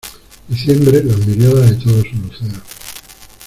Diciembre las miríadas de todos sus luceros.